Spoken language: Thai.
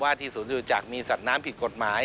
ว่าที่สวนธุรกิจจักรมีสัตว์น้ำผิดกฎหมาย